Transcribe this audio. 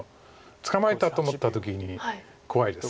捕まえたと思った時に怖いです。